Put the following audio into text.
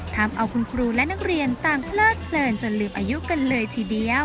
ทำเอาคุณครูและนักเรียนต่างเพลิดเพลินจนลืมอายุกันเลยทีเดียว